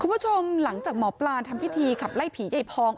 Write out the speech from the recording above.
คุณผู้ชมหลังจากหมอปลาทำพิธีขับไล่ผียายพอง